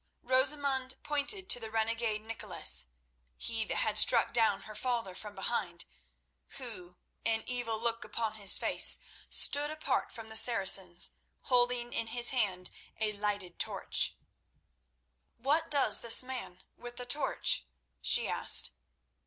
Rosamund pointed to the renegade Nicholas—he that had struck down her father from behind—who, an evil look upon his face, stood apart from the Saracens, holding in his hand a lighted torch. "What does this man with the torch?" she asked.